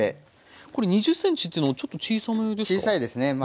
これ２０ｃｍっていうのはちょっと小さめですか？